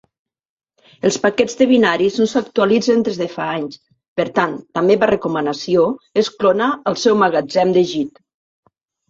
Els paquets de binaris no s'actualitzen des de fa anys, per tant la meva recomanació és clonar el seu magatzem de git.